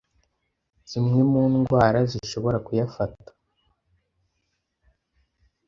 zimwe mu ndwara zishobora kuyafata.